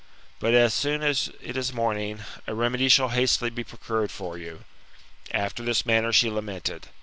But, as soon as it is TBB UETAMOItPROBIS, Oft morning, a remedy shall hastily be procured for you." After this manner she lamented.